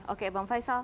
oke bang faisal